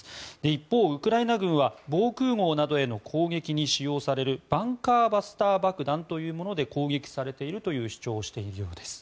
一方、ウクライナ軍は防空壕などへの攻撃に使用されるバンカーバスター爆弾というもので攻撃されているという主張をしているようです。